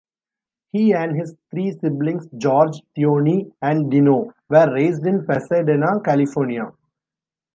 He and his three siblings, George, Theoni and Dino were raised in Pasadena, California.